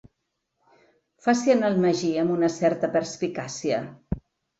Faci anar el magí amb una certa perspicàcia.